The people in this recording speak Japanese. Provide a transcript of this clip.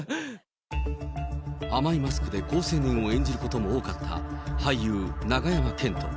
甘いマスクで好青年を演じることも多かった、俳優、永山絢斗。